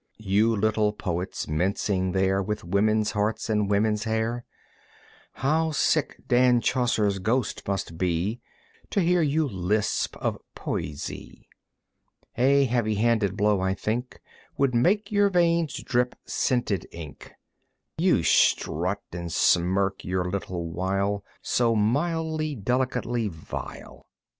You little poets mincing there With women's hearts and women's hair! How sick Dan Chaucer's ghost must be To hear you lisp of "Poesie"! A heavy handed blow, I think, Would make your veins drip scented ink. You strut and smirk your little while So mildly, delicately vile!